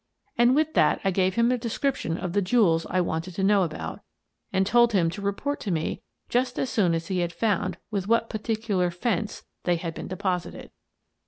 And with that I gave him a description of the jewels I wanted to know about, and told him to re port to me just as soon as he found with what particular " fence " they had been deposited.